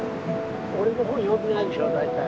俺の本読んでないでしょ大体。